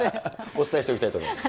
お伝えしておきたいと思います。